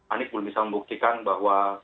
anies belum bisa membuktikan bahwa